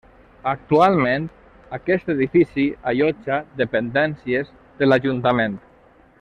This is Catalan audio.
Actualment, aquest edifici allotja dependències de l'Ajuntament.